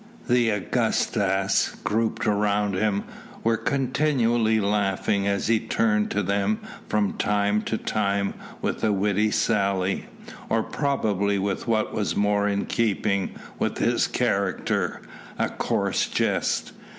The Augustas grouped around him were continually laughing as he turned to them from time to time with a witty sally, or probably with what was more in keeping with his character a coarse jest.